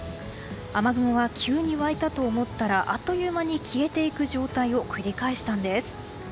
雨雲は急に湧いたと思ったらあっという間に消えていく状態を繰り返したんです。